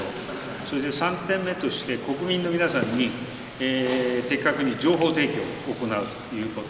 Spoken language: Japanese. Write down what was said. それで３点目として国民の皆さんに的確に情報提供を行うということ。